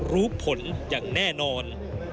รู้ผลอย่างแน่นอน